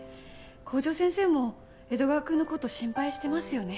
校長先生も江戸川くんの事心配してますよね。